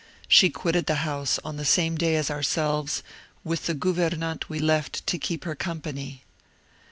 She quitted the house, on the same day as ourselves, with the gouvernante we left to keep her company."